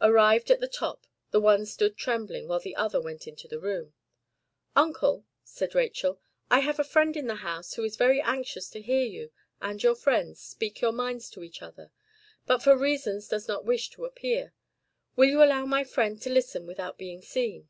Arrived at the top, the one stood trembling, while the other went into the room. "Uncle," said Rachel, "I have a friend in the house who is very anxious to hear you and our friends speak your minds to each other, but for reasons does not wish to appear: will you allow my friend to listen without being seen?"